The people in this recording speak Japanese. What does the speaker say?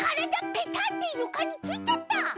ベタッてゆかについちゃった！